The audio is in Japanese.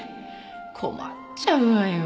困っちゃうわよ。